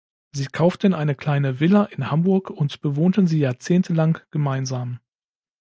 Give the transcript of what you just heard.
Sie kauften eine kleine Villa in Hamburg und bewohnten sie jahrzehntelang gemeinsam.